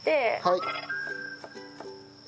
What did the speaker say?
はい。